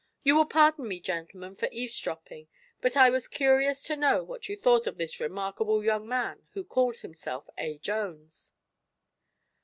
"You will pardon me, gentlemen, for eavesdropping, but I was curious to know what you thought of this remarkable young man who calls himself 'A. Jones.'"